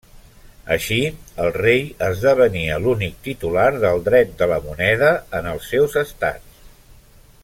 Així, el rei esdevenia l'únic titular del dret de la moneda en els seus estats.